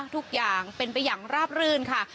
ทุกอย่างเป็นไปอย่างราบรื่นค่ะ